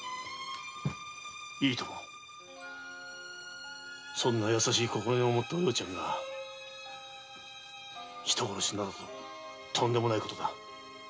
いいともそんな優しい心根のお葉ちゃんが人殺しなどとんでもない事だ。